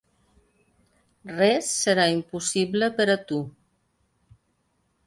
Res serà impossible per a tu.